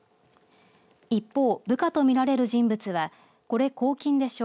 一方、部下と見られる人物はこれ公金でしょ。